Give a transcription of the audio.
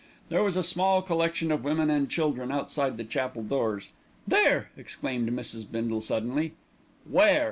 There was a small collection of women and children outside the chapel doors. "There!" exclaimed Mrs. Bindle suddenly. "Where?"